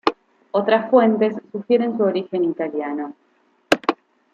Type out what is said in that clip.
Otras fuentes sugieren su origen italiano.